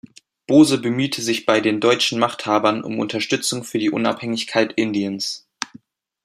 Bose bemühte sich bei den deutschen Machthabern um Unterstützung für die Unabhängigkeit Indiens.